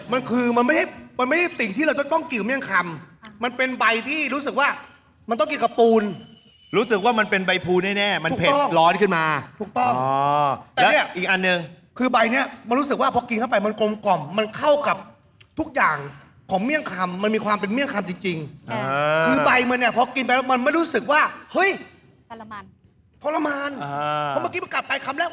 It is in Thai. มันคือมันไม่มันไม่เป็นมันไม่เป็นมันไม่เป็นมันไม่เป็นมันไม่เป็นมันไม่เป็นมันไม่เป็นมันไม่เป็นมันไม่เป็นมันไม่เป็นมันไม่เป็นมันไม่เป็นมันไม่เป็นมันไม่เป็นมันไม่เป็นมันไม่เป็นมันไม่เป็นมันไม่เป็นมันไม่เป็นมันไม่เป็นมันไม่เป็